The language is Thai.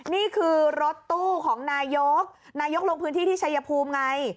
นี่คือรถตู้ของนายกนายกลงพื้นที่ที่ชายภูมิไง